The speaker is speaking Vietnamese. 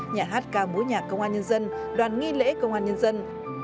nhà hát ca mối nhạc công an nhân dân đoàn nghi lễ công an nhân dân